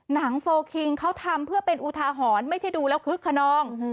โฟลคิงเขาทำเพื่อเป็นอุทาหรณ์ไม่ใช่ดูแล้วคึกขนอง